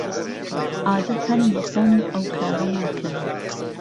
عادەتەن بەخۆم ئەو کارە ناکەم.